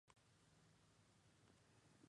Bajo la dirección de Meyer, Warner Bros.